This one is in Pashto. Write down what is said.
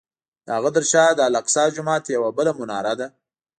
د هغه تر شا د الاقصی جومات یوه بله مناره ده.